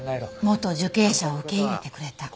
元受刑者を受け入れてくれた。